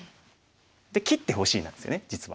で「切ってほしい」なんですよね実は。